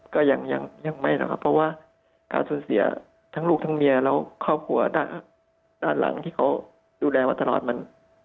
ก็ยังไม่หรอกครับเพราะว่าการสูญเสียทั้งลูกทั้งเมียแล้วครอบครัวด้านหลังที่เขาดูแลมาตลอดมัน